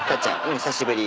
久しぶり。